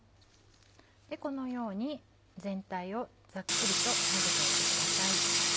このように全体をざっくりと混ぜておいてください。